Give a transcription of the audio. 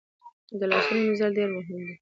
د لاسونو مینځل ډیر مهم دي۔